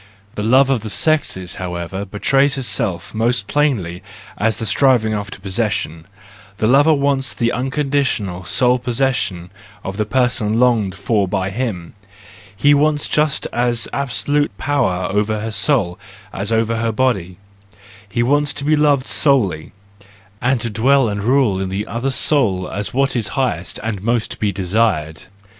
The love of the sexes, however, betrays itself most plainly as the striving after possession: the lover wants the unconditioned, sole possession of the person longed for by him ; he wants just as absolute power over her soul as over her body; he wants to be loved solely, and to dwell and rule in the other soul as what is highest and most to be desired.